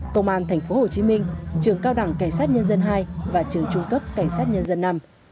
công an thành phố hồ chí minh trường cao đẳng cảnh sát nhân dân hai và trường trung cấp cảnh sát nhân dân năm